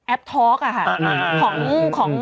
แอปท็อกน์อะค่ะ